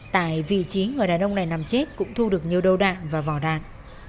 tại vị trí người đàn ông này nằm chết cũng thu được nhiều đầu đạn và vỏ đạn